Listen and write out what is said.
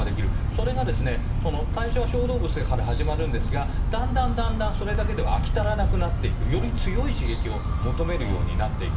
それがですね、最初は小動物から始まるんですが、だんだんだんだんそれだけでは飽き足らなくなっていく、より強い刺激を求めるようになっていく。